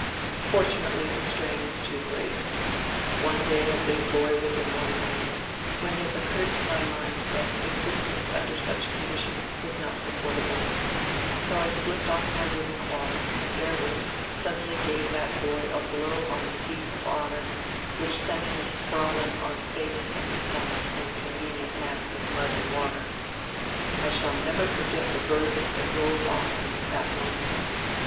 Fortunately the strain was too great. One day a big boy was annoying me, when it occurred to my mind that existence under such conditions was not sup portable ; so I slipped off my wooden clog, and therewith suddenly gave that boy a blow on the seat of honour which sent him sprawling on face and stomach in a convenient mass of mud and water. I shall never forget the burden that rolled off me at that moment.